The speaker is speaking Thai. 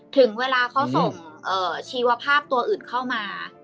ถึงเวลาเขาส่งชีวภาพตัวอื่นเข้ามา